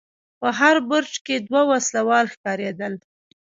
په هر برج کې دوه وسلوال ښکارېدل.